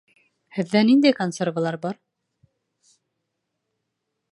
Һеҙҙә ниндәй консервалар бар?